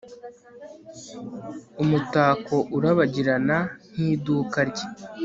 Umutako urabagirana nkiduka rye